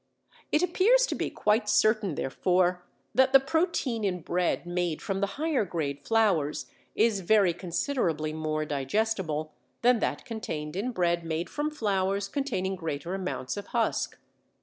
It appears to be quite certain therefore that the protein in bread made from the higher grade flours is very considerably more digestible than that contained in bread made from flours containing greater amounts of husk.